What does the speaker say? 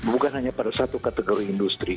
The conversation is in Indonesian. bukan hanya pada satu kategori industri